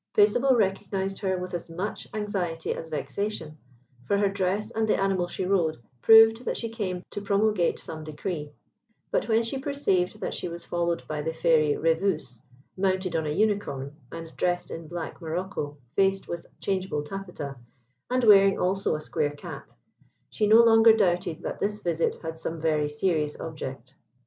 Paisible recognised her with as much anxiety as vexation, for her dress and the animal she rode proved that she came to promulgate some decree: but when she perceived that she was followed by the Fairy Rèveuse, mounted on a unicorn, and dressed in black morocco, faced with changeable taffeta, and wearing also a square cap, she no longer doubted that this visit had some very serious object.